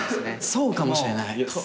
そうかもしれない。